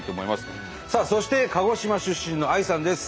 さあそして鹿児島出身のＡＩさんです。